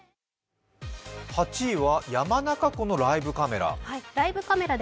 ８位は山中湖のライブカメラ